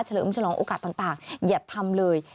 เลิมฉลองโอกาสต่างอย่าทำเลย